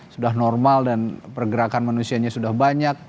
sudah normal dan pergerakan manusianya sudah banyak